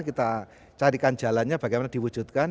kita carikan jalannya bagaimana diwujudkan